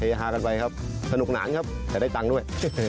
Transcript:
ฮากันไปครับสนุกหนานครับแต่ได้ตังค์ด้วย